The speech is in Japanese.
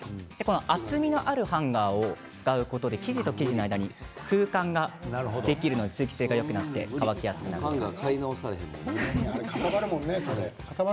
厚みがあるハンガーを使うことで生地と生地の間に空間ができますので通気性がよくなって乾きやすくなります。